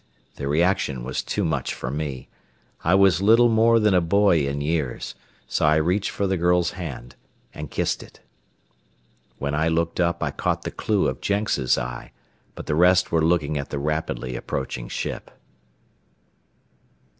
The reaction was too much for me. I was little more than a boy in years, so I reached for the girl's hand and kissed it. When I looked up I caught the clew of Jenks' eye, but the rest were looking at the rapidly approaching ship.